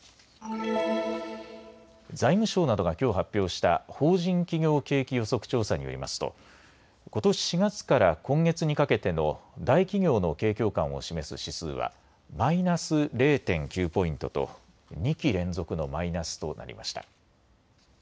財務省などがきょう発表しした法人企業景気予測調査によりますとことし４月から今月にかけての大企業の景況感を示す指数はマイナス０．９ポイントと２期連続のマイナスとなりました。